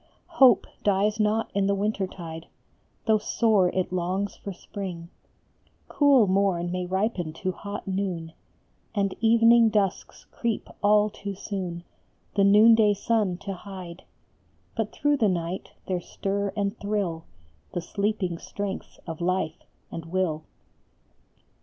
Hope dies not in the winter tide, Though sore it longs for spring ; Cool morn may ripen to hot noon, And evening dusks creep all too soon The noonday sun to hide ; But through the night there stir and thrill The sleeping strengths of life and will.